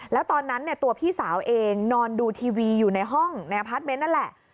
แล้วตอนนั้นตัวพี่สาวเองนอนดูทีวีอยู่ในห้องในอพาร์ทเมนต์นั่นแหละ